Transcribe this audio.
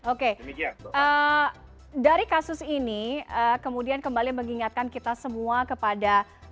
oke dari kasus ini kemudian kembali mengingatkan kita semua kepada